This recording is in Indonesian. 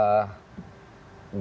dengan mas henry ini